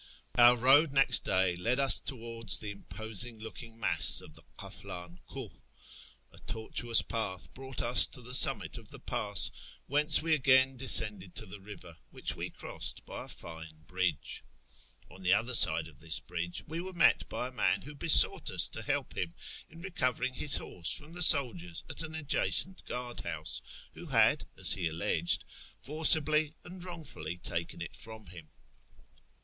Our road next day led us towards the imposing looking mass of the Kaflan Kiih. A tortuous path brought us to the summit of the pass, whence we again descended to the river, which we crossed by a fine bridge. On the other side of this bridge we were met by a man who besought us to help him in recovering his horse from the soldiers at an adjacent guard house, who had, as he alleged, forcibly and wrongfully taken it from him.